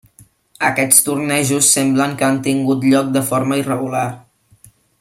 Aquests tornejos semblen que han tingut lloc de forma irregular.